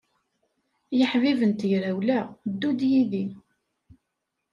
Ay aḥbib n tegrawla, ddu-d yid-i.